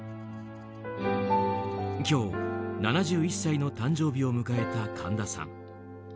今日、７１歳の誕生日を迎えた神田さん。